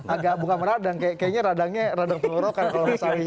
agak bukan meradang kayaknya radangnya radang radang